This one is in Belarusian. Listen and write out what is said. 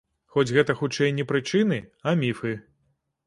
Хоць гэта, хутчэй, не прычыны, а міфы.